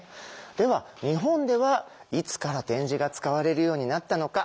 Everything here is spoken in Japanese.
では日本ではいつから点字が使われるようになったのか。